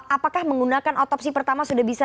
apakah menggunakan otopsi pertama sudah bisa